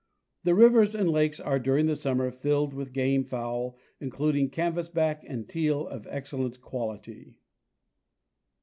The rivers and lakes are, during the summer, filled with game fowl, including canvas back, and teal of excellent quality.